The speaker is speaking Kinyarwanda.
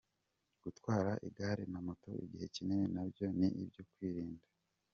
Gutwara igare na moto igihe kinini na byo ni ibyo kwirinda.